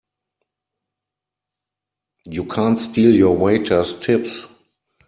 You can't steal your waiters' tips!